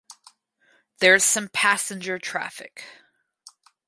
There is some passenger traffic.